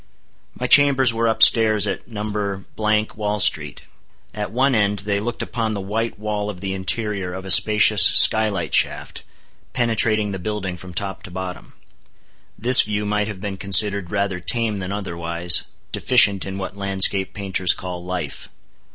My chambers were up stairs at No.—Wall street. At one end they looked upon the white wall of the interior of a spacious sky light shaft, penetrating the building from top to bottom. This view might have been considered rather tame than otherwise, deficient in what landscape painters call "life."